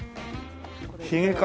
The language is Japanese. ヒゲか。